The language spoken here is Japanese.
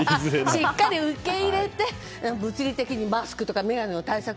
しっかり受け入れて物理的にマスクや眼鏡の対策。